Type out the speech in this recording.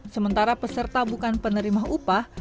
sementara peserta bukan penerima upah